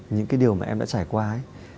những cái điều mà em đã trải qua ấy